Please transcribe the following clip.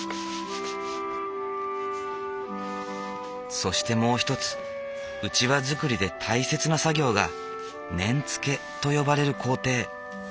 そしてもう一つうちわ作りで大切な作業が念付けと呼ばれる工程。